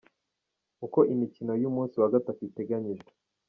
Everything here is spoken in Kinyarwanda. Uko imikino y’umunsi wa gatatu iteganyijwe.